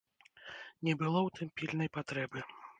Не было ў тым пільнай патрэбы.